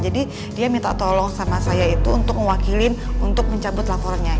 jadi dia minta tolong sama saya itu untuk mewakili untuk mencabut laporannya